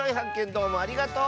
どうもありがとう！